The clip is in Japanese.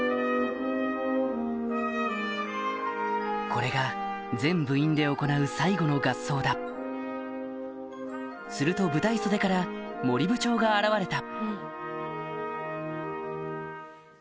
これが全部員で行う最後の合奏だすると舞台袖から森部長が現れた